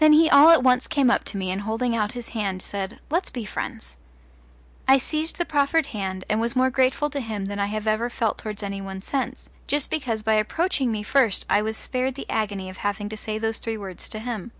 Then he all at once came up to me and holding out his hand said, "Let's be friends." I seized the proffered hand, and was more grateful to him than I have ever felt towards any one since, just because by approaching me first I was spared the agony of having to say those three words to him.